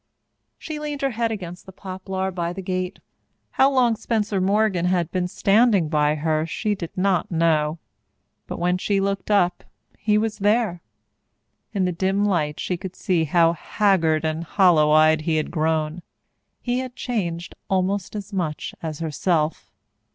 She leaned her head against the poplar by the gate. How long Spencer Morgan had been standing by her she did not know, but when she looked up he was there. In the dim light she could see how haggard and hollow eyed he had grown. He had changed almost as much as herself.